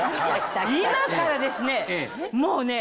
今からですね